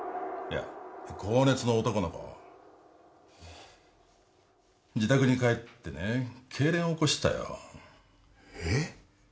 高熱の男の子自宅に帰ってねけいれん起こしたよえッ！？